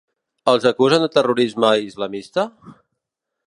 Els acusen de terrorisme islamista?